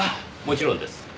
もちろんです。